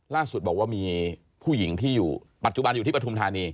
ล่าสุดบอกว่ามีผู้หญิงที่อยู่ปัจจุบันอยู่ที่ปฐุมธานี